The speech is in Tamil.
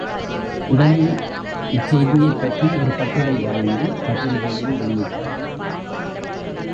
உடனே இச் செய்தியைப்பற்றி ஒரு கட்டுரை வரைந்து, பத்திரிகையில் வெளியிட்டார்.